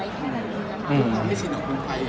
ถึงผมจะไม่ชินหัวคนไค